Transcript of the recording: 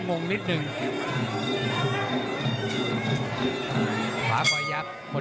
วันนี้เดี่ยงไปคู่แล้วนะพี่ป่านะ